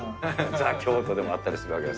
ザ・京都でもあったりするわけで。